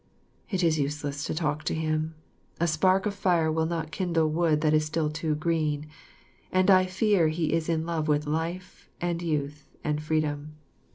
It is useless to talk to him. A spark of fire will not kindle wood that is still too green, and I rear he is in love with life, and youth, and freedom.